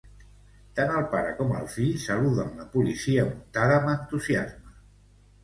Tant el pare com el fill saluden la policia muntada amb entusiasme